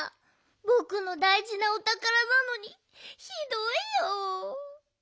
ぼくのだいじなおたからなのにひどいよ。